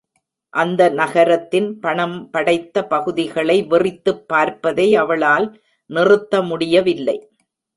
அந்த நகரத்தின் பணம்படைத்த பகுதிகளை வெறித்துப் பார்ப்பதை அவளால் நிறுத்தமுடியவைல்லை.